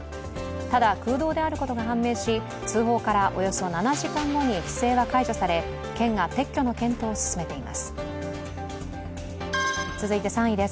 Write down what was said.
ただ、空洞であることが判明し通報からおよそ７時間後に規制は解除され、県が撤去の検討を進めています。